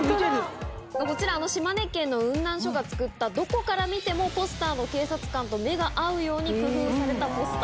こちら島根県の雲南署が作ったどこから見てもポスターの警察官と目が合うように工夫されたポスターなんです。